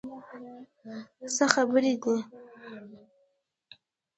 څه خبرې دي؟